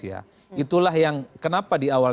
itulah yang kenapa di awal